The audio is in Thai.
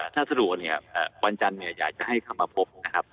ถ้าสรุปเนี่ยวันจันทร์อยากให้คำมาพบนะครับ